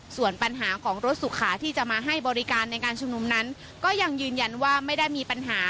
ส่วนปัญหาของรถสุขาที่จะมาให้บริการในการชุมนุมนั้นก็ยังยืนยันว่าไม่ได้มีปัญหา